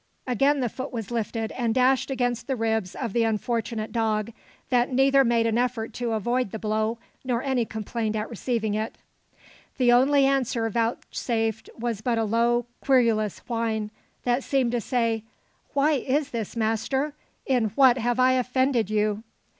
Again the foot was lifted, and dashed against the ribs of the unfortunate dog, that neither made an effort to avoid the blow nor any complaint at receiving it. The only answer vouchsafed was but a low, querulous whine, that seemed to say, "Why is this, master? In what have I offended you?"